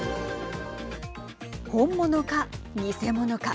本物か偽物か。